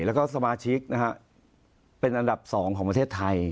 แล้วก็สมาชิกนะฮะเป็นอันดับ๒ของประเทศไทย